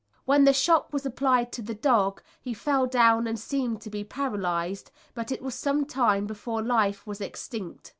When the shock was applied to the dog he fell down and seemed to be paralysed, but it was some time before life was extinct.